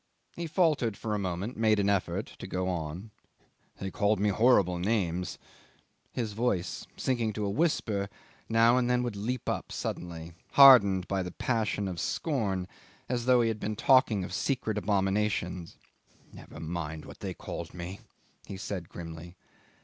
He faltered for a moment, and made an effort to go on. "They called me horrible names." His voice, sinking to a whisper, now and then would leap up suddenly, hardened by the passion of scorn, as though he had been talking of secret abominations. "Never mind what they called me," he said grimly.